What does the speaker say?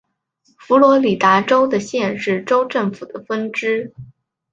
佛罗里达州的县是州政府的分支。